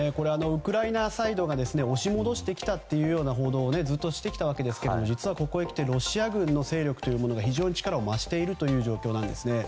ウクライナサイドが押し戻してきたという報道をずっとしてきたわけですけども実はここへきてロシア軍の勢力が非常に力を増しているという状況なんですね。